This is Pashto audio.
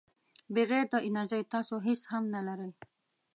بغیر د انرژۍ تاسو هیڅ هم نه لرئ.